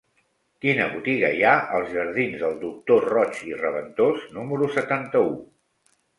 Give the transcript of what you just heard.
Quina botiga hi ha als jardins del Doctor Roig i Raventós número setanta-u?